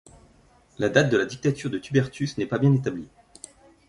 La date de la dictature de Tubertus n'est pas bien établie.